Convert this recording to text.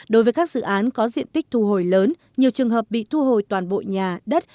đối với các dự án có diện tích thu hồi lớn nhiều trường hợp bị thu hồi toàn bộ nhà đất